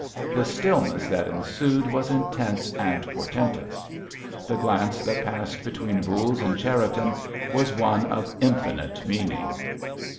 The stillness that ensued was intense and portentous. The glance that passed between Voules and Cherriton was one of infinite meaning.